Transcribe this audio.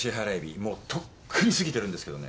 もうとっくに過ぎてるんですけどね。